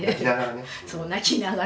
そう泣きながらとか。